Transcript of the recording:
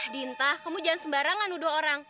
dintah kamu jangan sembarangan nuduh orang